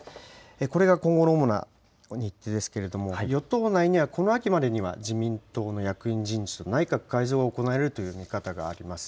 これが今後の主な日程ですけれども、与党内にはこの秋までには、自民党の役員人事と内閣改造が行われるという見方があります。